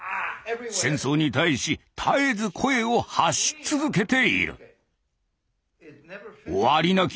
戦争に対し絶えず声を発し続けている。